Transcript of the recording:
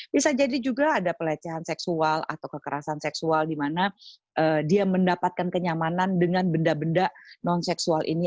bisa jadi juga ada pelecehan seksual atau kekerasan seksual di mana dia mendapatkan kenyamanan dengan benda benda non seksual ini